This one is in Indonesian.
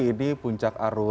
ini puncak arus